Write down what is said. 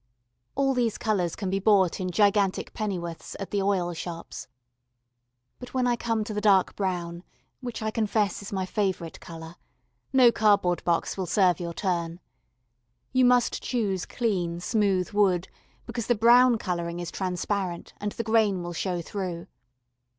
All these colours can be bought in gigantic penn'orths at the oil shops. But when I come to the dark brown, which I confess is my favourite colour, no cardboard box will serve your turn. You must choose clean, smooth wood, because the brown colouring is transparent, and the grain will show through.